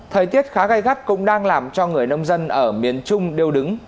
thời tiết khá gai gắt cũng đang làm cho người nông dân ở miền trung điêu đứng